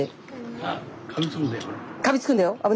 あかみつくんだよこれ。